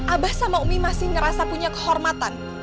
abah sama umi masih ngerasa punya kehormatan